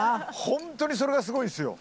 ホントにそれがすごいんすよ。